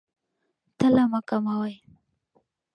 تله مه کموئ.